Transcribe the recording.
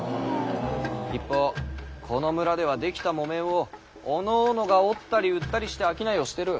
一方この村では出来た木綿をおのおのが織ったり売ったりして商いをしてる。